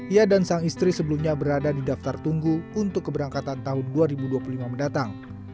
ia dan sang istri sebelumnya berada di daftar tunggu untuk keberangkatan tahun dua ribu dua puluh lima mendatang